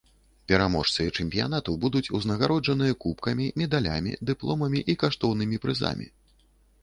Пераможцы чэмпіянату будуць узнагароджаныя кубкамі, медалямі, дыпломамі і каштоўнымі прызамі.